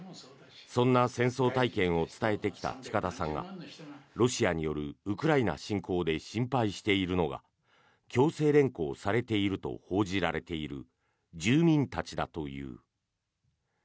そんな戦争体験を伝えてきた近田さんがロシアによるウクライナ侵攻で心配しているのが強制連行されていると報じられている住民たちだという。